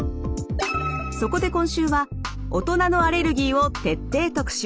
そこで今週は大人のアレルギーを徹底特集。